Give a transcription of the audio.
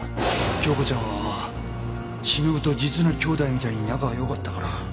京子ちゃんは忍と実の姉妹みたいに仲がよかったから。